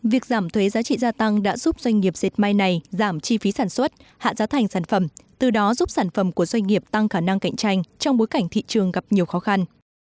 việc giảm thuế giá trị gia tăng đã giúp doanh nghiệp dệt may này giảm chi phí sản xuất hạ giá thành sản phẩm từ đó giúp sản phẩm của doanh nghiệp tăng khả năng cạnh tranh trong bối cảnh thị trường gặp nhiều khó khăn